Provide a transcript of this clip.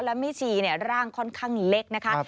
และแม่ชีร่างค่อนข้างเล็กนะคะ